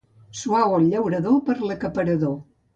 Sua el llaurador per a l'acaparador.